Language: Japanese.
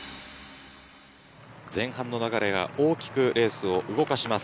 前半の流れが大きくレースを動かします。